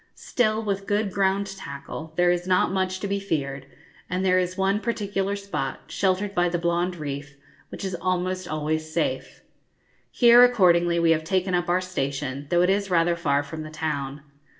Still, with good ground tackle, there is not much to be feared, and there is one particular spot, sheltered by the Blonde reef, which is almost always safe. Here, accordingly, we have taken up our station, though it is rather far from the town.